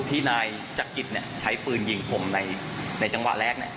ที่นายจักริตใช้ปืนยิงผมในจังหวะแรก